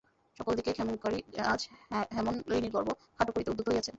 সকল দিকেই ক্ষেমংকরী আজ হেমনলিনীর গর্ব খাটো করিতে উদ্যত হইয়াছেন।